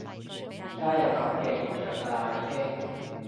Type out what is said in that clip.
而家有噉嘅現象㗎啦已經